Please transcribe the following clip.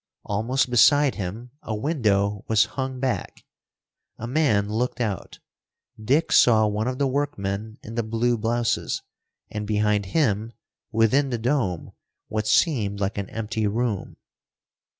Almost beside him a window was hung back. A man looked out. Dick saw one of the workmen in the blue blouses, and, behind him, within the dome, what seemed like an empty room.